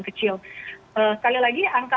kecil sekali lagi angka